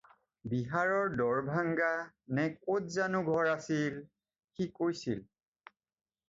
বিহাৰৰ ডৰভংগা নে ক'ত জানো ঘৰ আছিল? সি কৈছিল।